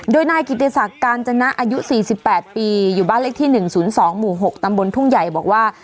โดยนายกิติศักดิ์กาญจนะอายุ๔๘ปีอยู่บ้านเลขที่๑๐๒หมู่๖ตำบลทุ่งใหญ่บอกว่า